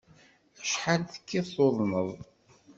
Acḥal tekkiḍ tuḍneḍ?